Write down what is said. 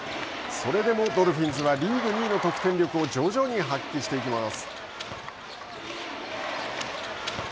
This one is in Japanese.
それでもドルフィンズはリーグ２位の得点力を徐々に発揮していきます。